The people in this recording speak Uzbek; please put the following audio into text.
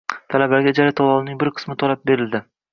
Talabalarga ijara to‘lovining bir qismini qoplab berildi.